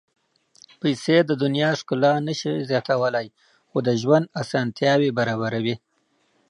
پېسې د دنیا ښکلا نه شي زیاتولی، خو د ژوند اسانتیاوې برابروي.